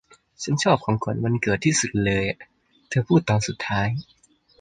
'ฉันชอบของขวัญวันเกิดที่สุดเลย' เธอพูดตอนสุดท้าย